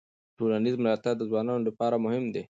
ټولنیز ملاتړ د ځوانانو لپاره مهم دی.